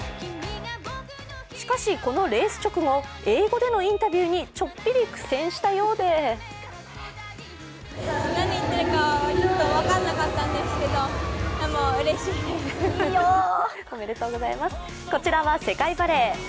しかしこのレース直後、英語でのインタビューにちょっぴり苦戦したようでこちらは世界バレー。